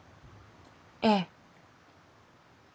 ええ。